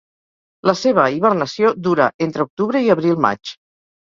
La seva hibernació dura entre octubre i abril-maig.